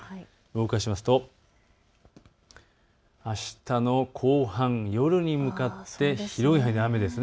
動かすとあしたの後半、夜に向かって広い範囲で雨です。